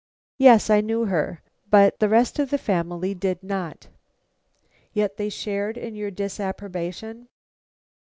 "Yes, I knew her, but the rest of the family did not." "Yet they shared in your disapprobation?"